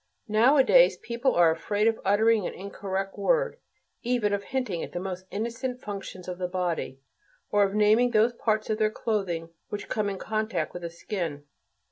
Nowadays people are afraid of uttering an incorrect word, even of hinting at the most innocent functions of the body, or of naming those parts of their clothing which come in contact with the skin.